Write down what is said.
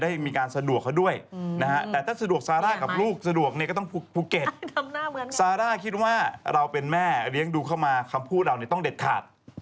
ทำหน้าเหมือนซาร่าคิดว่าเราเป็นแม่เลี้ยงดูเข้ามาคำพูดเราเนี่ยต้องเด็ดขาด